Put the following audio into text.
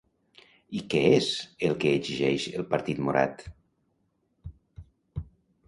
I què és el que exigeix el partit morat?